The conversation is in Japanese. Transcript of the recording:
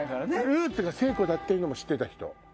ルーツが聖子だっていうのも知ってた人？